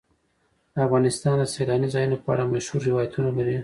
افغانستان د سیلاني ځایونو په اړه مشهور روایتونه لري.